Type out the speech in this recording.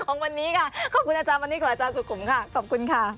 หมดเวลาของวันนี้ค่ะ